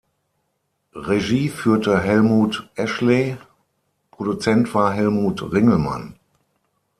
Regie führte Helmuth Ashley, Produzent war Helmut Ringelmann.